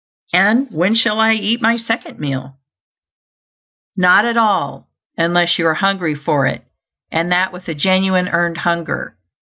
And when shall I eat my second meal? Not at all, unless you are hungry for it; and that with a genuine earned hunger.